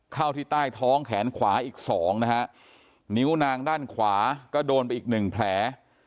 เข้าที่ใต้ท้องแขนขวาอีกสองนะฮะนิ้วนางด้านขวาก็โดนไปอีกหนึ่งแผล